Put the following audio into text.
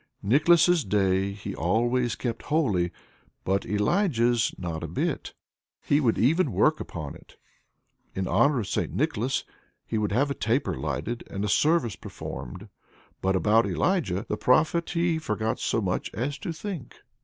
Nicholas's day he always kept holy, but Elijah's not a bit; he would even work upon it. In honor of St. Nicholas he would have a taper lighted and a service performed, but about Elijah the Prophet he forgot so much as to think.